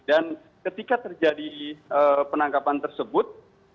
dan ketika terjadi penangkapan tersebut